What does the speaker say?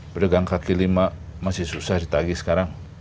berdagang kaki lima masih susah di tagih sekarang